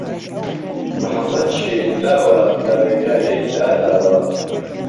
محەممەد شیرن لاوه له رێگایەی لا داوه